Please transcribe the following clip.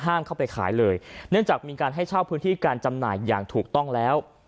เข้าไปขายเลยเนื่องจากมีการให้เช่าพื้นที่การจำหน่ายอย่างถูกต้องแล้ว